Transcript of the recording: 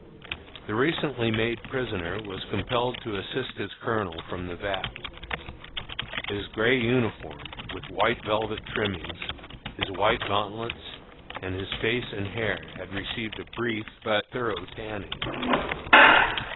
The recently made prisoner was compelled to assist his Colonel from the vat. His gray uniform, with white velvet trimmings, his white gauntlets, and his face and hair had received a brief but thorough tanning.